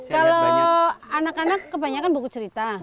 kalau anak anak kebanyakan buku cerita